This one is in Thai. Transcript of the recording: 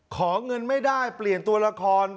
ขอเงินไม่ได้เปลี่ยนตัวละคร